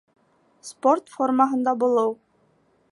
Спорт формаһында булыу